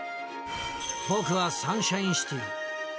僕は、サンシャインシティ。